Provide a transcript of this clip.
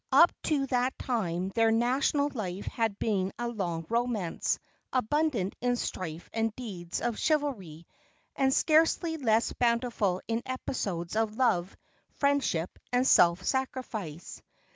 Up to that time their national life had been a long romance, abundant in strife and deeds of chivalry, and scarcely less bountiful in episodes of love, friendship and self sacrifice.